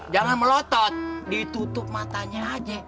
jangan melotot ditutup matanya aja